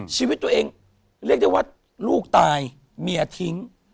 ชีวิตตัวเองเรียกได้ว่าลูกตายเมียทิ้ง